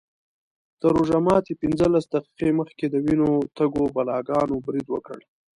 تر روژه ماتي پینځلس دقیقې مخکې د وینو تږو بلاګانو برید وکړ.